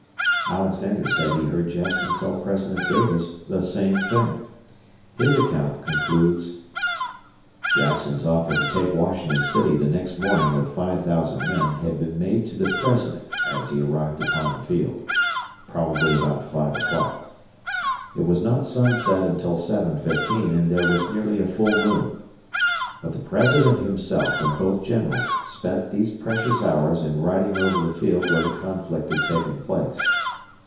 Alexander said he heard Jackson tell President Davis the same thing. His account concludes: Jackson's offer to take Washington City the next morning with 5000 men had been made to the President as he arrived upon the field; probably about five o'clock. It was not sunset until 7.15 and there was nearly a full moon. But the President himself and both Generals spent these precious hours in riding over the field where the conflict had taken place.